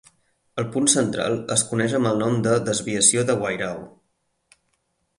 El punt central es coneix amb el nom de desviació de Wairau.